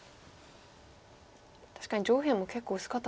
確かに上辺も結構薄かったですか。